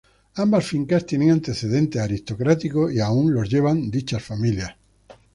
Ambas fincas tienen antecedentes aristocráticos y aún los llevan dichas familias.